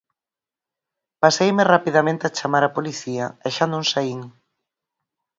Paseime rapidamente a chamar a Policía e xa non saín.